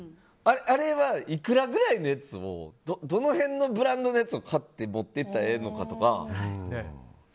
あれは、いくらぐらいのやつをどの辺のブランドのやつを買って持って行ったらいいのかとか。